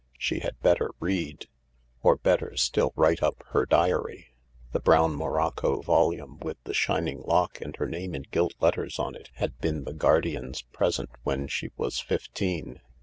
She had better read. Or, better still, write up her diary. The brown morocco volume with the shining lock and her name in gilt letters on it had been the guardian's present when she was fifteen.